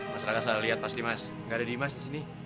mas raka salah liat pas nadimas gak ada nadimas di sini